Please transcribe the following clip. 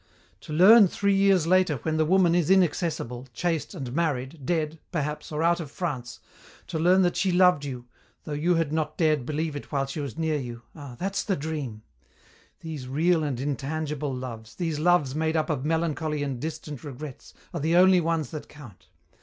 "To learn, three years later, when the woman is inaccessible, chaste and married, dead, perhaps, or out of France to learn that she loved you, though you had not dared believe it while she was near you, ah, that's the dream! These real and intangible loves, these loves made up of melancholy and distant regrets, are the only ones that count.